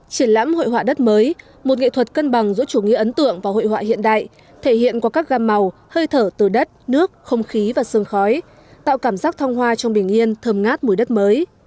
triển lãm hội họa đất mới một nghệ thuật cân bằng giữa chủ nghĩa ấn tượng và hội họa hiện đại thể hiện qua các gam màu hơi thở từ đất nước không khí và sương khói tạo cảm giác thong hoa trong bình yên thơm ngát mùi đất mới